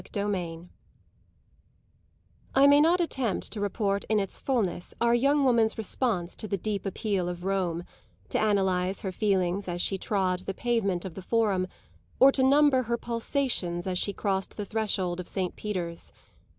CHAPTER XXVII I may not attempt to report in its fulness our young woman's response to the deep appeal of Rome, to analyse her feelings as she trod the pavement of the Forum or to number her pulsations as she crossed the threshold of Saint Peter's.